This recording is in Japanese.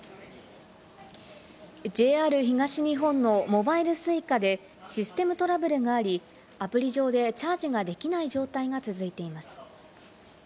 ＪＲ東日本のモバイルＳｕｉｃａでシステムトラブルがあり、アプリ上でチャージができない状態が続いています。